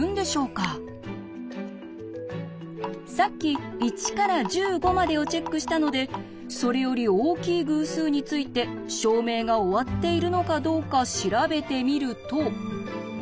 さっき１から１５までをチェックしたのでそれより大きい偶数について証明が終わっているのかどうか調べてみると。